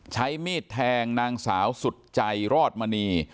ใช้มีดแทงนางสาวสุดใจรอดมณี